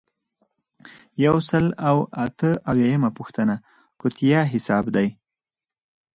یو سل او اته اویایمه پوښتنه قطعیه حساب دی.